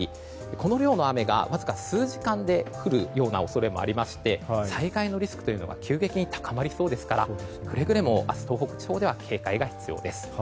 この量の雨がわずか数時間で降る恐れもありまして災害のリスクが急激に高まりそうなのでくれぐれも明日、東北地方で警戒が必要です。